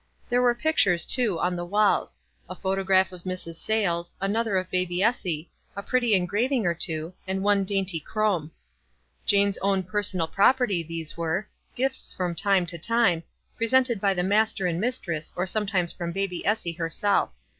There were pic tures, too, on the walls — a photograph of Mrs. Sayles, another of baby Essie, a pretty engrav ing or two, and one dainty chromo. Jane's own personal property, these were, gifts from time to time, presented by the master and mistress, or sometimes from baby Essie herself.